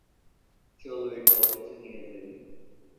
চলো এটা অফিসে নিয়ে যায়।